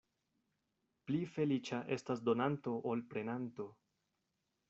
Pli feliĉa estas donanto ol prenanto.